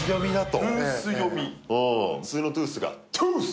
普通のトゥースがトゥース！